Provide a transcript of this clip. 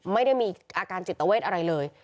ไม่ได้มีอาการจิตเวทอะไรเลย